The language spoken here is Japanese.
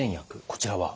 こちらは？